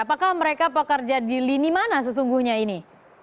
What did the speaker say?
apakah mereka pekerja di lini mana sesungguhnya ini